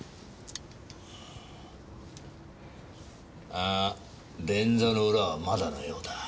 あっ便座の裏はまだのようだ。